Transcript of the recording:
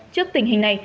trước tình hình này